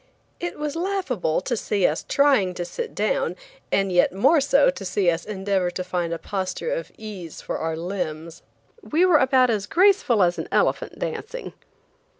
It was laughable to see us trying to sit down, and yet more so to see us endeavor to find a posture of ease for our limbs. We were about as graceful as an elephant dancing.